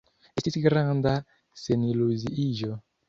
Estis granda seniluziiĝo.